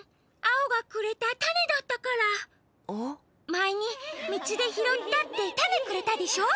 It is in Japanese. まえにみちでひろったってたねくれたでしょ？